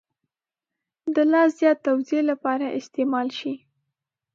د لا زیات توضیح لپاره استعمال شي.